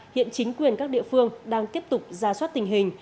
hiện chính quyền các địa phương đang tiếp tục ra soát tình hình